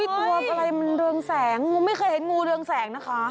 กลัวอะไรมันเรืองแสงงูไม่เคยเห็นงูเรืองแสงนะคะ